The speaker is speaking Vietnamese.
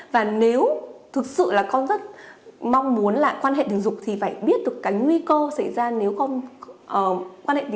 và nếu thực sự là con rất mong muốn là quan hệ tình dục thì phải biết được cái nguy cơ xảy ra nếu con